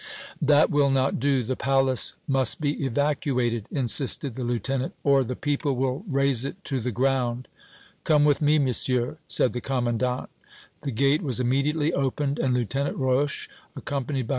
"That will not do! The palace must be evacuated," insisted the Lieutenant, "or the people will raze it to the ground!" "Come with me, Monsieur," said the commandant. The gate was immediately opened, and Lieutenant Roche, accompanied by M.